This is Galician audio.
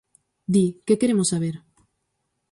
Di, ¿que queremos saber?